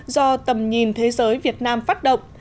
do tầm nhìn thế giới việt nam phát động